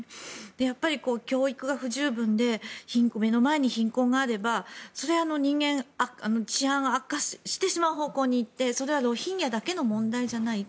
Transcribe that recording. やっぱり、教育が不十分で目の前に貧困があればそれは治安が悪化してしまう方向に行ってそれはロヒンギャだけの問題じゃない。